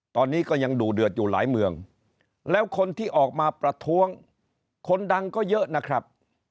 ตอนนี้ก็ยังดูเดือดอยู่หลายเมืองแล้วคนที่ออกมาประท้วงคนดังก็เยอะนะครับ